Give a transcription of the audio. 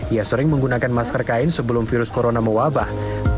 ia sering menggunakan masker kain sebelum virus corona mewabah